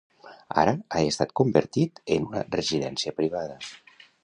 Ara, ha estat convertit en una residència privada.